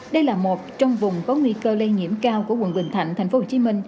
đây là một trong vùng có nguy cơ lây nhiễm cao của quận bình thạnh tp hcm